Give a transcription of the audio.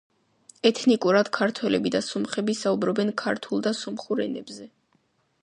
ეთნიკურად ქართველები და სომხები საუბრობენ ქართულ და სომხურ ენებზე.